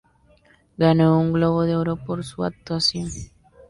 Ganó un Globo de Oro por su actuación.